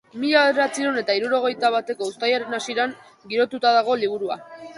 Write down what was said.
Mila bederatziehun eta hururogeita bateko uztailaren hasieran girotuta dago liburua.